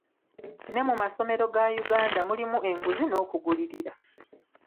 Ne mu masomero ga Uganda mulimu enguzi n'okugulirira.